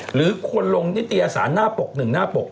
หรือคนลงนิตยสารหน้าปกหนึ่งหน้าปก